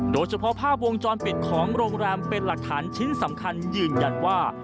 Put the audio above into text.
โดยเฉพาะภาพวงจรปิดของโรงแรมเป็นหลักฐานชิ้นสำคัญยืนยันว่า